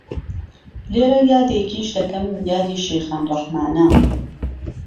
لێرە یادێکیش دەکەم یادی شێخان ڕەحمانە